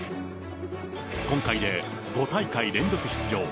今回で５大会連続出場。